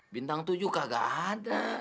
bintang tujuh kagak ada